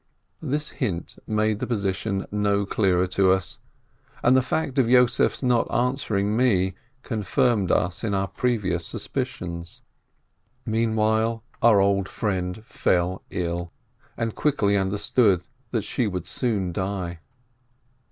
This hint made the position no clearer to us, and the fact of Yossef's not answering me confirmed us in our previous suspicions. Meanwhile our old friend fell ill, and quickly under stood that she would soon die.